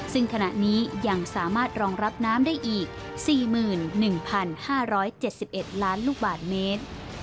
ซึ่งขณะนี้ยังสามารถรองรับน้ำได้อีก๔๑๕๗๑ล้านลูกบาทเมตร